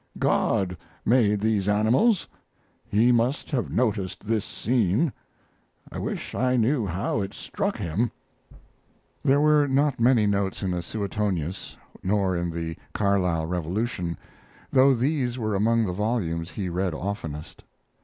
God made these animals. He must have noticed this scene; I wish I knew how it struck Him. There were not many notes in the Suetonius, nor in the Carlyle Revolution, though these were among the volumes he read oftenest.